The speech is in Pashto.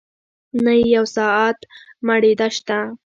نه يې يو ساعت مړېدۀ شته